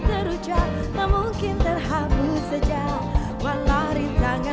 baru melurus kembali